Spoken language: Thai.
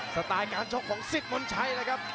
สไตล์การชกของสิทธิ์มนต์ชัย